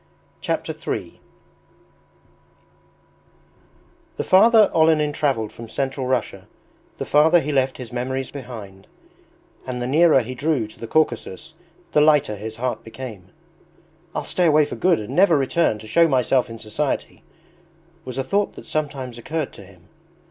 Chapter III The farther Olenin travelled from Central Russia the farther he left his memories behind, and the nearer he drew to the Caucasus the lighter his heart became. "I'll stay away for good and never return to show myself in society," was a thought that sometimes occurred to him.